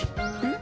ん？